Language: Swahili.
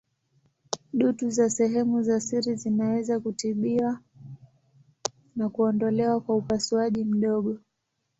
Dutu za sehemu za siri zinaweza kutibiwa na kuondolewa kwa upasuaji mdogo.